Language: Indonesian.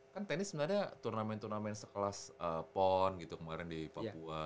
kan tenis sebenarnya turnamen turnamen sekelas pon gitu kemarin di papua